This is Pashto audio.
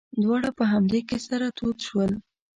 دواړه په همدې کې سره تود شول.